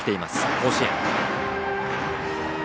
甲子園。